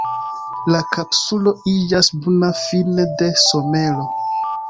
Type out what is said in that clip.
La kapsulo iĝas bruna fine de somero.